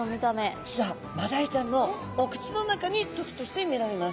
実はマダイちゃんのお口の中に時として見られます。